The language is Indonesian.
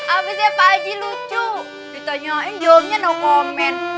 abisnya pak haji lucu ditanyain jawabnya no comment